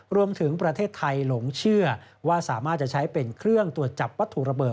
รวมถึงประเทศไทยหลงเชื่อว่าสามารถจะใช้เป็นเครื่องตรวจจับวัตถุระเบิด